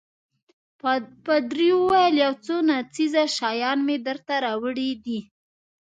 پادري وویل: یو څو ناڅېزه شیان مې درته راوړي دي.